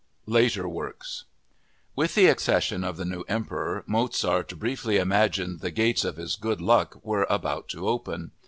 Later Works With the accession of the new emperor, Mozart briefly imagined the "gates of his good luck were about to open."